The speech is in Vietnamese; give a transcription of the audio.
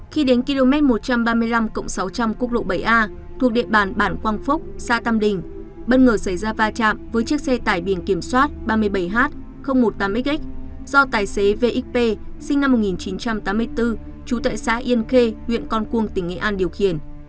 khi đến km một trăm ba mươi năm cộng sáu trăm linh quốc lộ bảy a thuộc địa bàn bản quang phúc xã tam đình bất ngờ xảy ra va chạm với chiếc xe tải biển kiểm soát ba mươi bảy h một mươi tám xx do tài xế v x p sinh năm một nghìn chín trăm tám mươi bốn trú tại xã yên khê huyện con cuông tỉnh nghệ an điều khiển